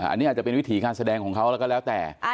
อันนี้อาจจะเป็นวิถีการแสดงของเขาแล้วก็แล้วแต่